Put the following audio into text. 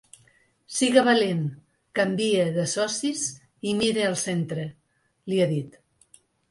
Siga valent, canvie de socis i mire al centre, li ha dit.